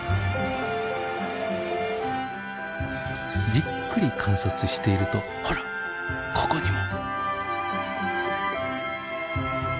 じっくり観察しているとほらここにも。